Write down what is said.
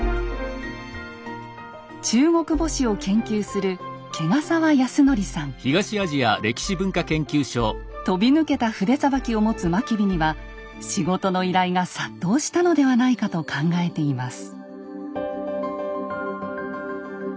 中国墓誌を研究する飛び抜けた筆さばきを持つ真備には仕事の依頼が殺到したのではないかと考えています。